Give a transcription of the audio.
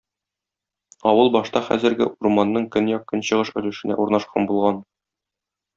Авыл башта хәзерге урманның көньяк-көнчыгыш өлешенә урнашкан булган.